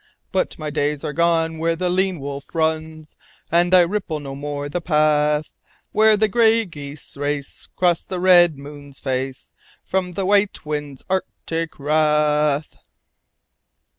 But my days are done where the lean wolves run, And I ripple no more the path Where the gray geese race 'cross the red moon's face From the white wind's Arctic wrath."